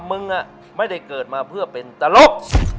มึงไม่ได้เกิดมาเพื่อเป็นตลก